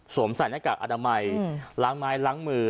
ใส่หน้ากากอนามัยล้างไม้ล้างมือ